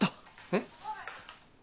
えっ？